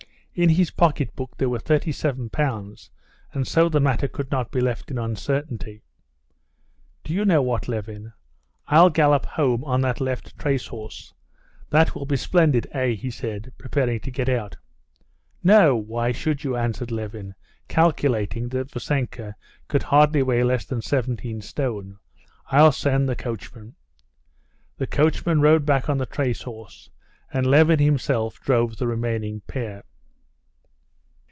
In the pocketbook there were thirty seven pounds, and so the matter could not be left in uncertainty. "Do you know what, Levin, I'll gallop home on that left trace horse. That will be splendid. Eh?" he said, preparing to get out. "No, why should you?" answered Levin, calculating that Vassenka could hardly weigh less than seventeen stone. "I'll send the coachman." The coachman rode back on the trace horse, and Levin himself drove the remaining pair.